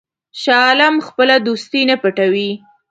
شاه عالم خپله دوستي نه پټوي.